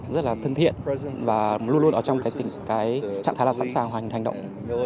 rất là thân thiện và luôn luôn ở trong trạng thái sẵn sàng hoành hành động